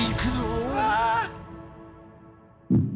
うわ！